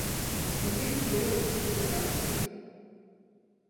Ингээд л нөгөө эмэгтэй яваад өгсөн юм.